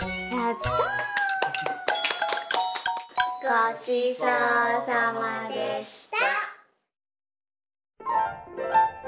ごちそうさまでした！